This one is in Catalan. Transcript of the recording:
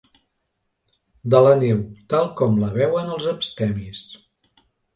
De la neu tal com la veuen els abstemis.